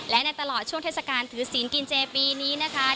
และในตลอดช่วงเทศกาลถือศีลกินเจปีนี้นะคะ